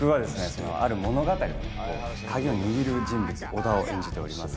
そのある物語のね鍵を握る人物尾田を演じております